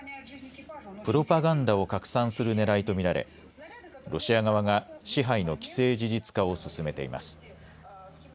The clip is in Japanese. プロパガンダを拡散するねらいと見られロシア側が支配の既成事実化を進めています。